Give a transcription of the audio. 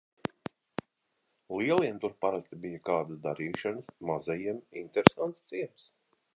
Lieliem tur parasti bija kādas darīšanas, mazajiem interesants ciems.